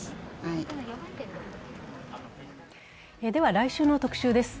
来週の特集です。